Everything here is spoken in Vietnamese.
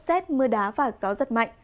rết mưa đá và gió rất mạnh